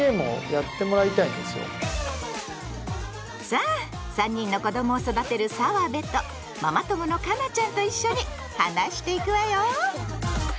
さあ３人の子どもを育てる澤部とママ友の佳奈ちゃんと一緒に話していくわよ！